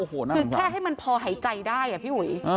คือแค่ให้มันพอหายใจได้อ่ะพี่อุ๋ย